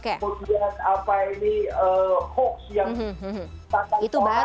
kemudian apa ini hoax yang